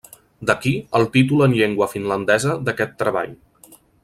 D'aquí, el títol en llengua finlandesa d'aquest treball.